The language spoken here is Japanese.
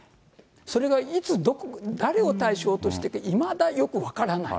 それが、いつどこで、誰を対象としてくるか、いまだよく分からない。